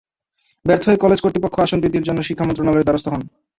ব্যর্থ হয়ে কলেজ কর্তৃপক্ষ আসন বৃদ্ধির জন্য শিক্ষা মন্ত্রণালয়ের দ্বারস্থ হয়।